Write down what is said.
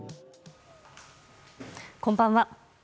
こんばんは。